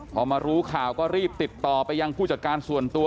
พอมารู้ข่าวก็รีบติดต่อไปยังผู้จัดการส่วนตัว